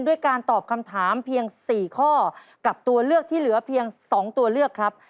ด้วยการตอบคำถามเพียง๔ข้อกับตัวเลือกที่เหลือเพียง๒ตัวเลือกครับ